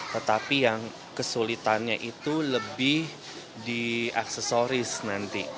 tetapi yang kesulitannya itu lebih di aksesoris nanti